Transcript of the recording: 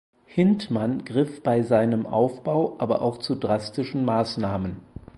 Hindman griff bei seinem Aufbau aber auch zu drastischen Maßnahmen.